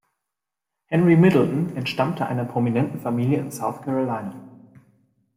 Henry Middleton entstammte einer prominenten Familie in South Carolina.